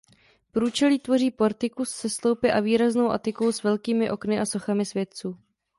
Průčelí tvoří portikus se sloupy a výraznou atikou s velkými okny a sochami světců.